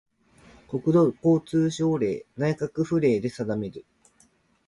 国土交通省令・内閣府令で定める